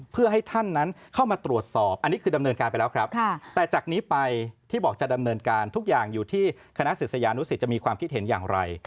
เพื่อให้ท่านนั้นเข้ามาตรวจสอบอันนี้คือดำเนินการไปแล้วครับแต่จากนี้ไปที่บอกจะดำเนินการทุกอย่างอยู่ที่คณะศิษยานุสิตจะมีความคิดเห็นอย่างไร